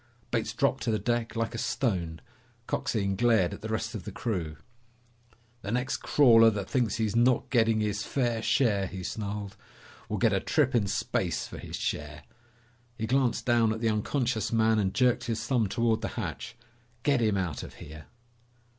Bates dropped to the deck like a stone. Coxine glared at the rest of the crew. "The next crawler that thinks he's not getting his fair share," he snarled, "will get a trip in space for his share!" He glanced down at the unconscious man and jerked his thumb toward the hatch. "Get him out of here!"